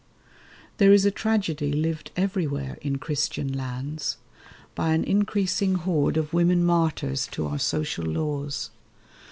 There is a tragedy lived everywhere In Christian lands, by an increasing horde Of women martyrs to our social laws.